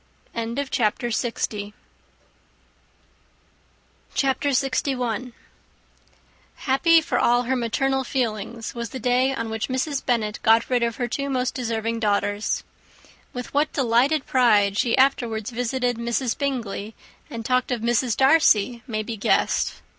CHAPTER LXI. Happy for all her maternal feelings was the day on which Mrs. Bennet got rid of her two most deserving daughters. With what delighted pride she afterwards visited Mrs. Bingley, and talked of Mrs. Darcy, may be guessed.